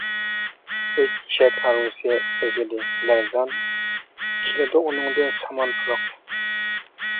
ئۈچ ئېشەك ھارۋىسى ئۇزىدى لەرزان، كېلىدۇ ئۇنىڭدىن سامان پۇرىقى.